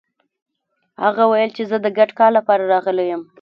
هغه ويل چې زه د ګډ کار لپاره راغلی يم.